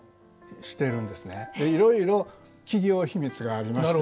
いろいろ企業秘密がありましてね。